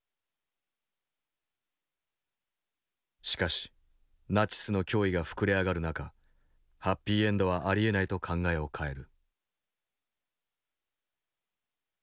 しかしナチスの脅威が膨れ上がる中ハッピーエンドはありえないと考えを変える。